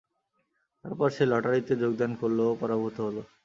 তারপর সে লটারীতে যোগদান করল ও পরাভূত হল।